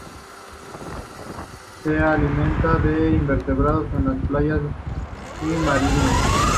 Se alimenta de invertebrados en las playas y marismas.